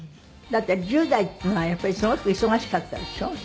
だって１０代ってまあやっぱりすごく忙しかったでしょ？